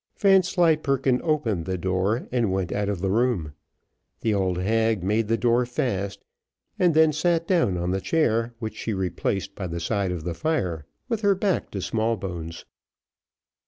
Vanslyperken opened the door, and went out of the room; the old hag made the door fast, and then sat down on the chair, which she replaced by the side of the fire with her back to Smallbones.